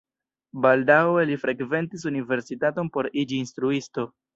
Baldaŭe li frekventis universitaton por iĝi instruisto.